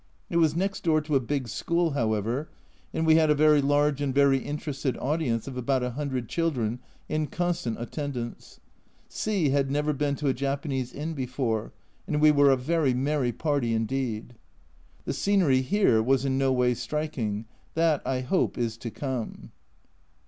It was next door to a big school, however, and we had a very large and very interested audience of about a hundred children in constant attendance. C had never been to a Japanese inn before, and we were a very merry party indeed. The scenery here was in no way striking, that I hope is to come.